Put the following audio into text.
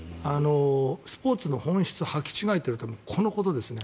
スポーツの本質をはき違えているとはこのことですよね。